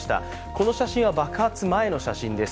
この写真は爆発前の写真です。